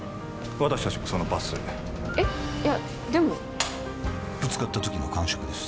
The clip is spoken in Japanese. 私達もそのバスへえっいやでもぶつかった時の感触です